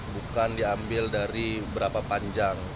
bukan diambil dari berapa panjang